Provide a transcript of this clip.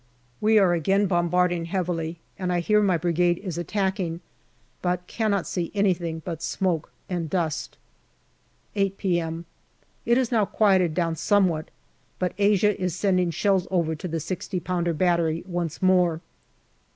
We are again bombarding heavily, and I hear my Brigade is attacking, but cannot see anything but smoke and dust. 8 p.m. It has now quietened down somewhat, but Asia is sending shells over to the 6o pounder battery once more.